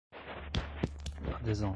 adesão